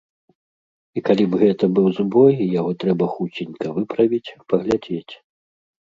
І калі б гэта быў збой, яго трэба хуценька выправіць, паглядзець.